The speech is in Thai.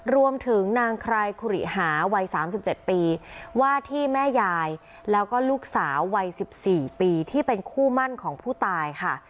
รวมถึงนางไครริหาวัย๓๗ปีว่าที่แม่ยายแล้วก็ลูกสาววัย๑๔ปีที่เป็นคู่มั่นของผู้ตายค่ะ